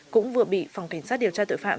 cũng vừa bị phòng cảnh sát điều tra tội phạm